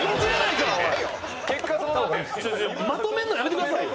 ちょっとまとめるのやめてくださいよ。